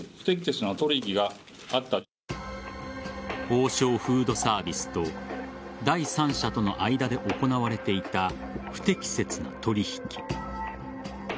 王将フードサービスと第三者との間で行われていた不適切な取引。